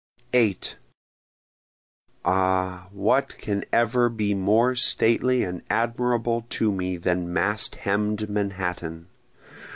8 Ah, what can ever be more stately and admirable to me than mast hemm'd Manhattan?